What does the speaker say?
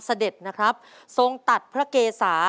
เจ้าชายศิษฐะทรงพนวทที่ริมฝั่งแม่น้ำใด